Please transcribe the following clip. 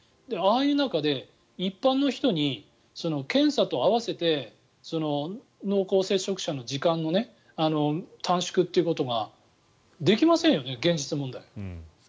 ああいう中で、一般の人に検査と合わせて濃厚接触者の時間の短縮ということができませんよね、現実問題。